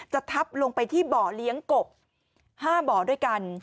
จะทับลงไปที่เบาะเลี้ยงกบ๕เบาะด้วยกัน